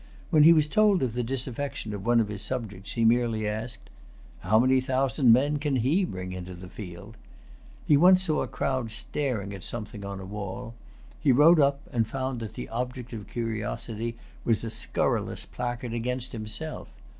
When he was told of the disaffection of one of his subjects, he merely asked, "How many thousand men can he bring into the field?" He once saw a crowd staring at something on a wall. He rode up, and found that the object of curiosity was a scurrilous placard against himself.